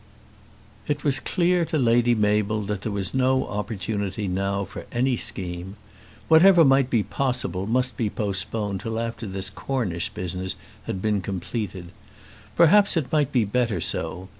It was clear to Lady Mabel that there was no opportunity now for any scheme. Whatever might be possible must be postponed till after this Cornish business had been completed. Perhaps it might be better so.